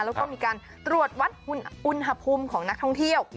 แล้วก็มีการตรวจวัดอุณหภูมิของนักท่องเที่ยว